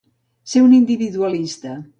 Ser un individualista.